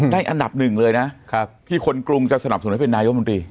อันดับหนึ่งเลยนะที่คนกรุงจะสนับสนุนให้เป็นนายกมนตรี